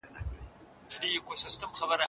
که موږ حقيقت وپېژنو نو سوله به راشي.